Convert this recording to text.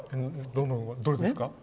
どれですか？